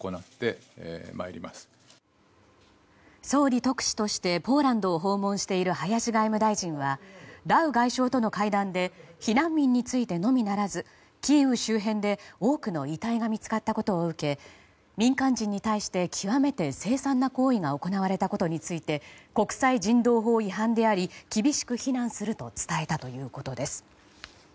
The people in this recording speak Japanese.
総理特使としてポーランドを訪問している林外務大臣はラウ外相との会談で避難民についてのみならずキーウ周辺で多くの遺体が見つかったことを受け民間人に対して極めて凄惨な行為が行われたことについて国際人道法違反であり厳しく非難すると伝えたということです。